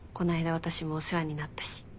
私もお世話になったし。